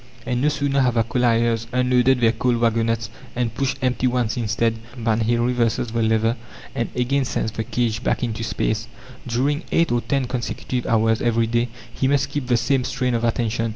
And no sooner have the colliers unloaded their coal wagonettes, and pushed empty ones instead, than he reverses the lever and again sends the cage back into space. During eight or ten consecutive hours every day he must keep the same strain of attention.